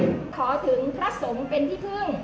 ข้าพเจ้าขอถึงพระสงฆ์เป็นที่พึ่ง